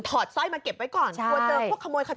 ถอดสร้อยมาเก็บไว้ก่อนกว่าเจอพวกขโมยขโมยใจ